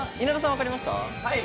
分かりました。